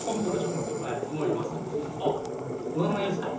お名前いいですか？